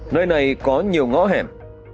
nơi này có nhiều ngõ hẻm